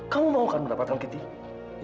kamu mau kan mendapatkan kitty